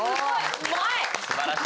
うまい！